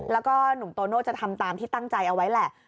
แล้วก็หนุ่มโตโน่จะทำตามที่ตั้งใจเอาไว้แหละ